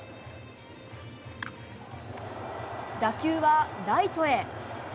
打球はライトへ。